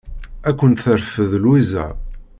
Ad kent-terfed Lwiza.